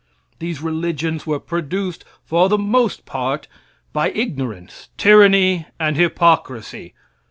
These religions were produced for the most part by ignorance, tyranny, and hypocrisy.